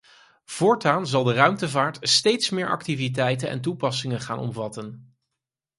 Voortaan zal de ruimtevaart steeds meer activiteiten en toepassingen gaan omvatten.